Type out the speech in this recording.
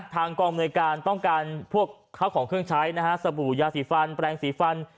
ทางกองอำนวยการต้องการพวกของเครื่องใช้สบู่ยาสีฟันแปรงสีฟัน